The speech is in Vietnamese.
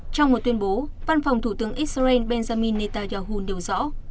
trong một tuyên bố văn phòng thủ tướng israel benjamin netanyahu điều rõ